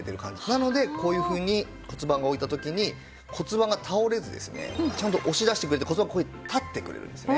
なのでこういうふうに骨盤を置いた時に骨盤が倒れずですねちゃんと押し出してくれて骨盤立ってくれるんですね。